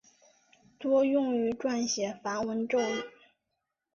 多用于转写梵文咒语。